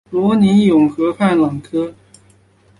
罗尼永河畔朗科。